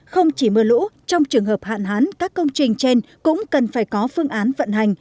không chỉ mưa lũ trong trường hợp hạn hán các công trình trên cũng cần phải có phương án vận hành